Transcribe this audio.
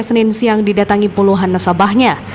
senin siang didatangi puluhan nasabahnya